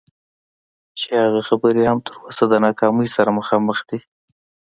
چې هغه خبرې هم تر اوسه د ناکامۍ سره مخامخ دي.